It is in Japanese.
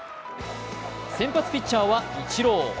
先発ピッチャーはイチロー。